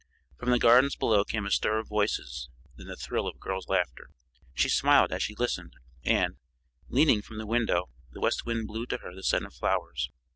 From the gardens below came a stir of voices and then the thrill of a girl's laughter. She smiled as she listened, and, leaning from the window, the west wind blew to her the scent of flowers.